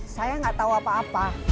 saya nggak tahu apa apa